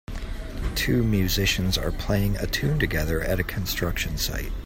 Two musicians are playing a tune together at a construction site.